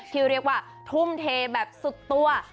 ที่เรียกว่าทุ่มเทแบบสุดตัว